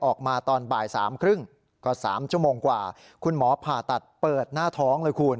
ออกมาตอนบ่ายสามครึ่งก็๓ชั่วโมงกว่าคุณหมอผ่าตัดเปิดหน้าท้องเลยคุณ